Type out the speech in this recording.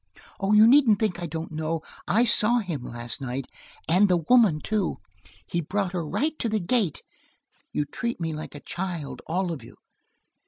Oh, you needn't think I don't know: I saw him last night, and the woman too. He brought her right to the gate. You treat me like a child, all of you!"